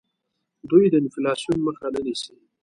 دوی د انفلاسیون مخه نیسي.